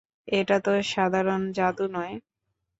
এটা তো সাধারণ জাদু নয়।